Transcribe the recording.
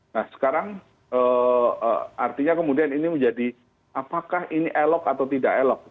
nah sekarang artinya kemudian ini menjadi apakah ini elok atau tidak elok